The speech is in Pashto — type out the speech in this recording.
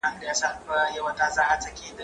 زه به پوښتنه کړې وي،